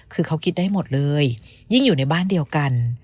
คือเขาคิดได้หมดเลยยิ่งอยู่ในบ้านเดียวกัน